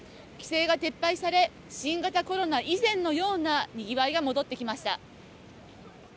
規制が撤廃され、新型コロナ以前のようなにぎわいが戻ってきました。